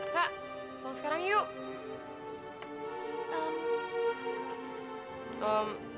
kak pulang sekarang yuk